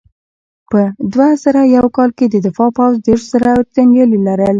په دوه زره یو کال کې د دفاع پوځ دېرش زره جنګیالي لرل.